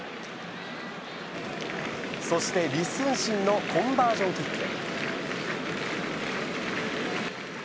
そして李承信のコンバージョンキック。